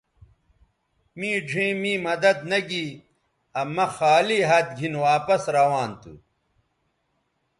می ڙھیئں می مدد نہ گی آ مہ خالی ھَت گِھن واپس روان تھو